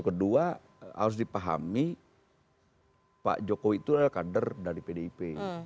kedua harus dipahami pak jokowi itu adalah kader dari pdip